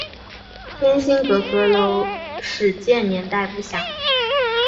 天心阁阁楼始建年代不详。